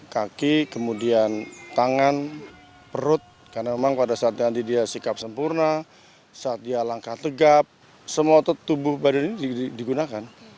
kaki kemudian tangan perut karena memang pada saat nanti dia sikap sempurna saat dia langkah tegap semua otot tubuh badan ini digunakan